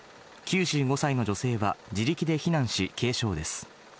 ９５歳の女性は自力で避難し、軽傷です。